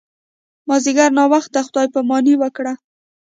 مازیګر ناوخته خدای پاماني وکړه.